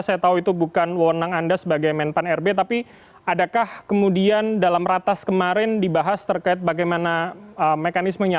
saya tahu itu bukan wonang anda sebagai menpan rb tapi adakah kemudian dalam ratas kemarin dibahas terkait bagaimana mekanismenya